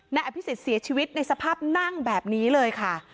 นายอภิษฎเสียชีวิตในสภาพนั่งแบบนี้เลยค่ะ